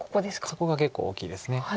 そこが結構大きいです。